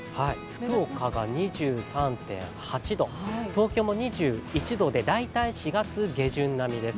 福岡が２３．８度、東京も２１度で大体４月下旬並みです